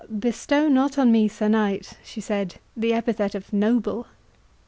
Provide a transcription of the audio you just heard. "Bestow not on me, Sir Knight," she said, "the epithet of noble.